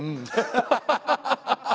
ハハハハ！